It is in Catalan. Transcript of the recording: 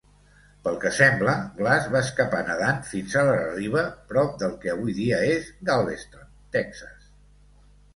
Pel que sembla, Glass va escapar nedant fins a la riba prop del que avui dia és Galveston, Texas.